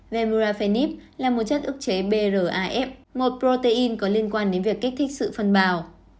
vemurafenib là một chất ức chế braf một protein có liên quan đến việc kích thích sự phân bào